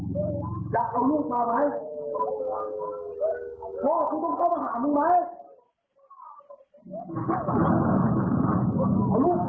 อยากเอาลูกมามั้ยพ่อคุณต้องเข้ามาหาหนูมั้ยเอาลูกมาเอาลูกพ่อ